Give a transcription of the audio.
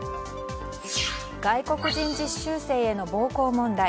外国人実習生への暴行問題。